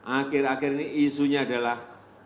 akhir akhir ini isunya adalah